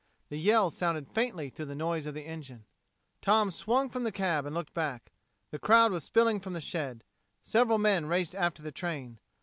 The yell sounded faintly through the noise of the engine. Tom swung from the cab and looked back. The crowd was spilling from the shed. Several men raced after the train.